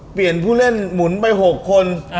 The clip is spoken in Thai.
เปลี่ยนผู้เล่นหมุนไป๖คน